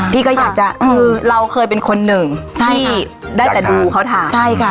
พี่ก็อยากจะคือเราเคยเป็นคนหนึ่งใช่ได้แต่ดูเขาถ่ายใช่ค่ะ